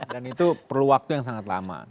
dan itu perlu waktu yang sangat lama